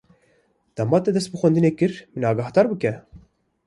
Dema te dest bi xwendinê kir, min agahdar bike.